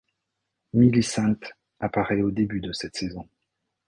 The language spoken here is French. Millicent apparait au début de cette saison.